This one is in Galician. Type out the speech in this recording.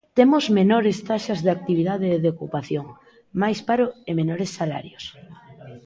Temos menores taxas de actividade e de ocupación, máis paro e menores salarios.